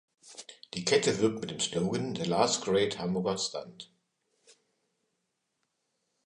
Die Kette wirbt mit dem Slogan "The Last Great Hamburger Stand".